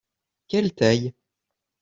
Quelle taille ?